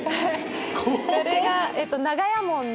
これが長屋門で。